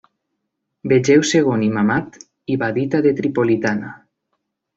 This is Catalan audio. Vegeu segon imamat ibadita de Tripolitana.